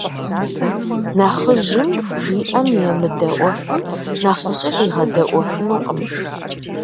Нэхъыжьым жиӀэм емыдэӀуэфым, нэхъыщӀи къигъэдэӀуэфынукъым.